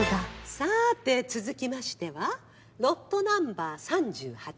さぁて続きましてはロットナンバー３８